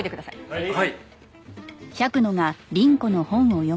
はい！